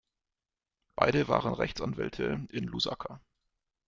Beide waren Rechtsanwälte in Lusaka.